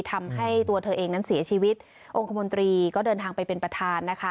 ทำให้ตัวเธอเองนั้นเสียชีวิตองค์คมนตรีก็เดินทางไปเป็นประธานนะคะ